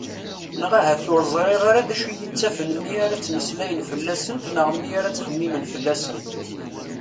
Neɣ ahat ur ẓriɣ ara d acu i ttafen mi ara ttmeslayen fell-asent neɣ mi ara ttxemmimen fell-asent.